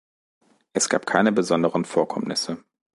Es gab keine besonderen Vorkommnisse.